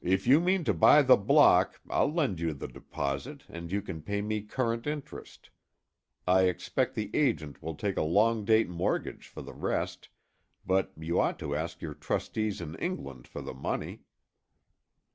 "If you mean to buy the block, I'll lend you the deposit and you can pay me current interest. I expect the agent will take a long date mortgage for the rest, but you ought to ask your trustees in England for the money."